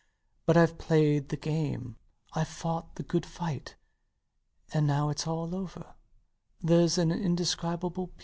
But Ive played the game. Ive fought the good fight. And now it's all over, theres an indescribable peace.